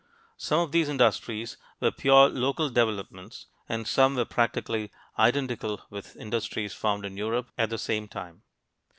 Some of these industries were purely local developments and some were practically identical with industries found in Europe at the same time.